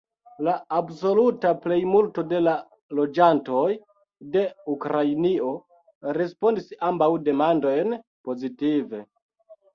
La absoluta plejmulto de la loĝantoj de Ukrainio respondis ambaŭ demandojn pozitive.